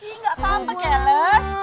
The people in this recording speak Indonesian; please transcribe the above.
ih ga apa apa keles